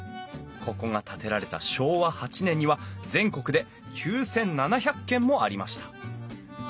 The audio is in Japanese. ここが建てられた昭和８年には全国で９，７００軒もありました。